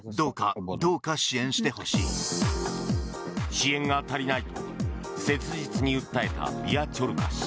支援が足りないと切実に訴えたビアチョルカ氏。